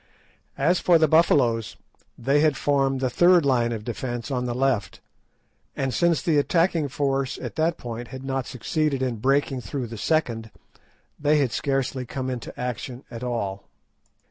As for the Buffaloes, they had formed the third line of defence on the left, and since the attacking force at that point had not succeeded in breaking through the second, they had scarcely come into action at all.